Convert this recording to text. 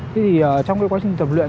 thế thì trong quá trình tập luyện